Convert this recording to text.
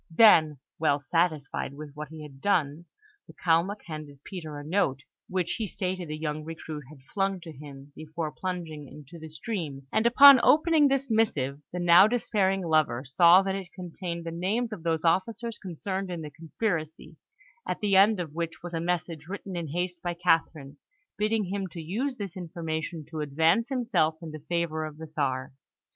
Then, well satisfied with what he had done, the Kalmuk handed Peter a note, which he stated the young recruit had flung to him before plunging into the stream; and upon opening this missive, the now despairing lover saw that it contained the names of those officers concerned in the conspiracy, at the end of which was a message written in haste by Catherine, bidding him to use this information to advance himself in the favour of the Czar.